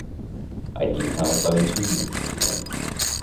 այդ ինքնավստահությունն էլ կսիրեմ: